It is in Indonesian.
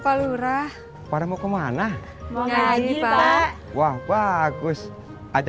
sama sama dan dikalain jangan tumpah lagi